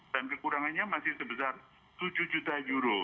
dan kekurangannya masih sebesar tujuh juta euro